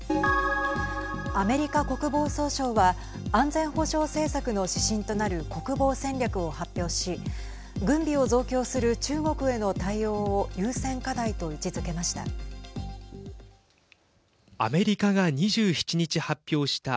アメリカ国防総省は安全保障政策の指針となる国防戦略を発表し軍備を増強する中国への対応を優先課題と位置づけました。